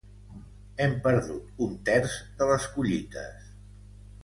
Hem perdut un terç de les collites.